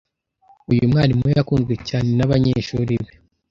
Uyu mwarimu yakunzwe cyane nabanyeshuri be.